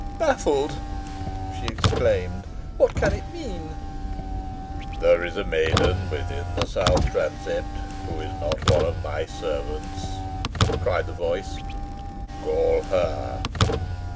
"Baffled!" she exclaimed, "what can it mean?" "There is a maiden within the south transept, who is not one of my servants," cried the voice. "Call her."